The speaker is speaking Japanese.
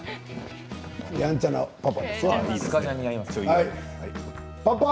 やんちゃなパパ。